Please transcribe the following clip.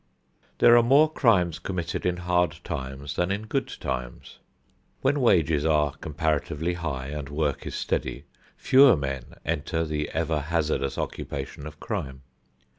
There are more crimes committed in hard times than in good times. When wages are comparatively high and work is steady fewer men enter the extra hazardous occupation of crime.